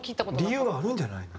理由があるんじゃないの？